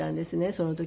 その時。